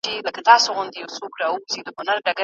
د بدن روغتیا ته پوره پاملرنه وکړئ.